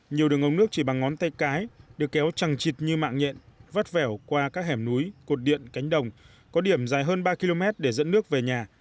nhiều đường ống nước chỉ bằng ngón tay cái được kéo trằng chịt như mạng nhện vắt vẻo qua các hẻm núi cột điện cánh đồng có điểm dài hơn ba km để dẫn nước về nhà